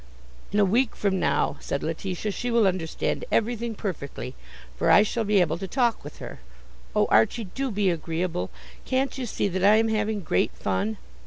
"In a week from now," said Letitia, "she will understand everything perfectly, for I shall be able to talk with her. Oh, Archie, do be agreeable. Can't you see that I am having great fun?